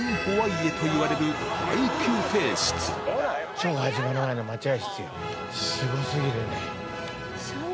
ショーが始まる前の待合室よ。